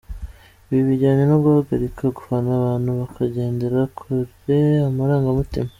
Ibi bijyana no guhagarika gufana abantu bakagendera kure amarangamutima.